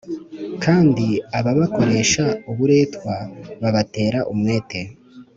Kandi ababakoresha uburetwa babatera umwete